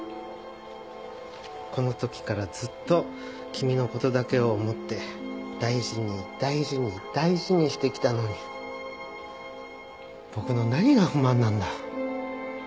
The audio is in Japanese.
この時からずっと君の事だけを思って大事に大事に大事にしてきたのに僕の何が不満なんだ？